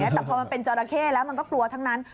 แต่พอมันเป็นจราเข้แล้วมันก็กลัวทั้งนั้น